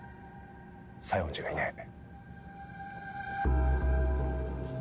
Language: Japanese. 西園寺がいない。